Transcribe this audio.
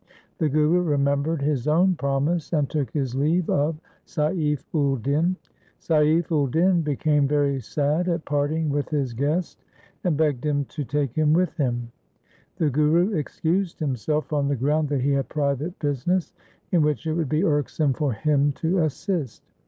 The Guru remembered his own promise and took his leave of Saif ul din. Saif ul din became very sad at parting with his guest, and begged him to take him with him. The Guru excused himself on the ground that he had private business, in which it would be irksome for him to assist.